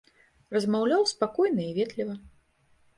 Размаўляў спакойна і ветліва.